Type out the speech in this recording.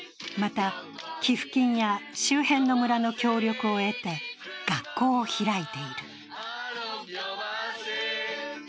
また寄付金や周辺の村の協力を得て学校を開いている。